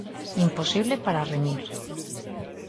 Imposible para Remiro.